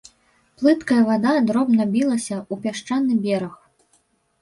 Плыткая вада дробна білася ў пясчаны бераг.